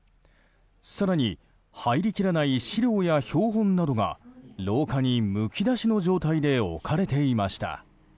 更に、入りきらない資料や標本などが廊下にむき出しの状態で置かれていました。